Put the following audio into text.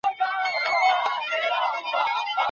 قانون تر زورواکۍ غوره دی.